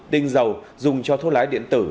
đinh dầu dùng cho thô lá điện tử